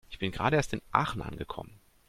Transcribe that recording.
Ich bin gerade erst in Aachen angekommen